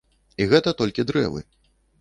І гэта толькі дрэвы.